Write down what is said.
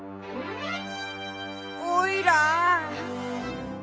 おいら。